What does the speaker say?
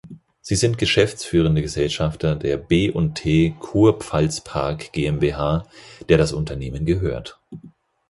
Sie sind geschäftsführende Gesellschafter der "B&T Kurpfalz-Park GmbH", der das Unternehmen gehört.